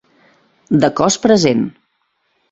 De cos present.